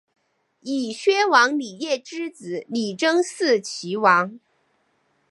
以薛王李业之子李珍嗣岐王。